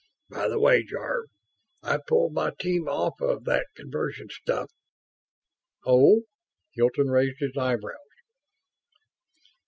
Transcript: By the way, Jarve, I've pulled my team off of that conversion stuff." "Oh?" Hilton raised his eyebrows.